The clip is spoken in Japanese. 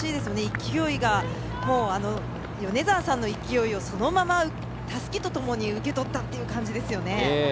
勢いが、米澤さんの勢いをそのまま、たすきとともに受け取ったという感じですね。